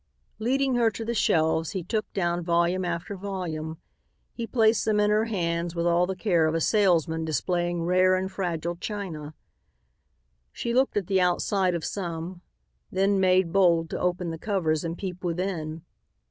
Leading her to the shelves, he took down volume after volume. He placed them in her hands with all the care of a salesman displaying rare and fragile china. She looked at the outside of some; then made bold to open the covers and peep within.